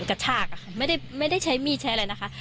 กระชากอะค่ะไม่ได้ใช้มีดใช้อะไรนะคะ